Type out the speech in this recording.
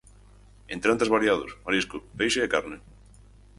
Entrantes variados, marisco, peixe e carne.